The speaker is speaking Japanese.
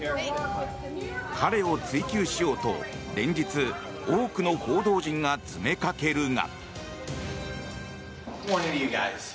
彼を追及しようと連日、多くの報道陣が詰めかけるが。